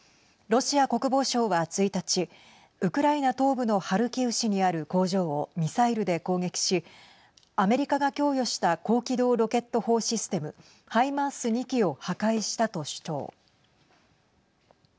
ロシア国防省は１日ウクライナ東部のハルキウ市にある工場をミサイルで攻撃しアメリカが供与した高機動ロケット砲システム＝ハイマース２基を破壊したと主張。